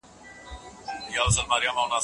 آیا تاسي په خپلو مځکو کې حلال فصلونه کرئ؟